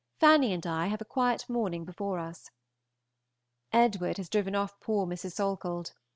Fanny and I have a quiet morning before us. Edward has driven off poor Mrs. Salkeld.